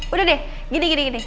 udah deh gini gini